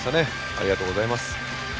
ありがとうございます。